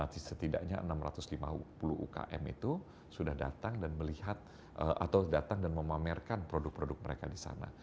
setidaknya enam ratus lima puluh ukm itu sudah datang dan melihat atau datang dan memamerkan produk produk mereka di sana